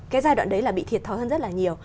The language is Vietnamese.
cái giai đoạn đấy là bị thiệt thòi hơn rất là nhiều